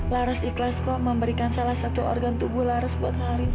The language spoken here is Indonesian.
laras ikhlas kok memberikan salah satu organ tubuh laras buat laris